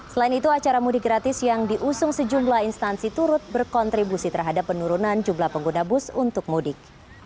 selain itu acara mudik gratis yang diusung sejumlah instansi turut berkontribusi terhadap penurunan jumlah pengguna bus untuk mudik